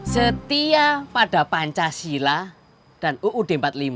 setia pada pancasila dan uud empat puluh lima